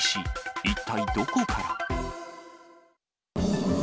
一体どこから？